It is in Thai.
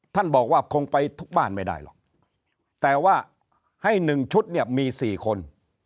ท่านบอกว่าคงไปทุกบ้านไม่ได้หรอกแต่ว่าให้๑ชุดเนี่ยมี๔คน